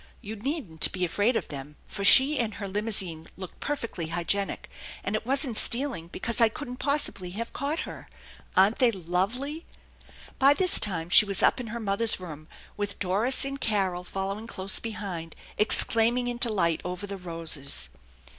You needn't be afraid of them, for she and her limousine looked perfectly hygienic ; and it wasn't stealing, because I couldn't possibly have caught her. Aren't they lovely ?" By this time she was up in her mother's room, with Doris and Carol following close behind exclaiming in delight over the roses.